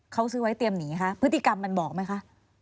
เขาซื้อไว้เตรียมหนีคะพฤติกรรมมันบอกไหมคะ